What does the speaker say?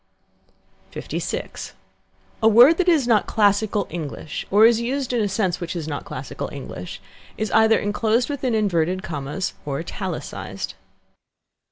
LVI. A word that is not classical English, or is used in a sense in which it is not classical English, is either enclosed within inverted commas or italicized.